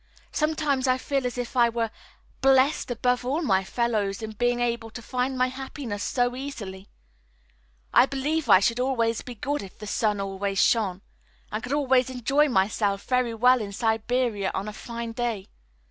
Sometimes I feel as if I were blest above all my fellows in being able to find my happiness so easily. I believe I should always be good if the sun always shone, and could enjoy myself very well in Siberia on a fine day.